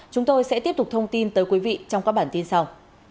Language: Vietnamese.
chúng tôi sẽ tiếp tục thông tin tới quý vị trong các bản tin sau